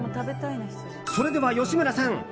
それでは吉村さん